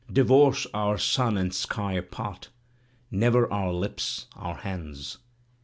divorce our sun and sky apart. Never our lips, our hands.